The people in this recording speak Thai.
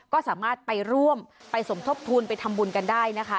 ก็สามารถไปร่วมไปสมทบทุนไปทำบุญกันได้นะคะ